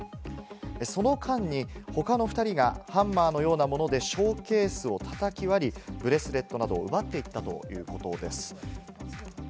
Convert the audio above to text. その間に他の２人がハンマーのようなものでショーケースを叩き割り、ブレスレットなどを奪っていったということです。